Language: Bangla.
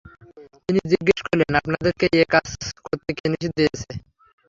তিনি জিজ্ঞেস করলেন, আপনাদেরকে এ কাজ করতে কে নির্দেশ দিয়েছে?